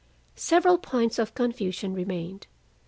] Several points of confusion remained.